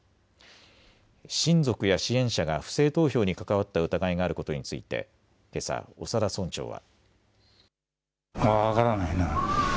親族や支援者が不正投票に関わった疑いがあることについてけさ長田村長は。